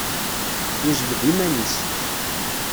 Yejbed iman-is.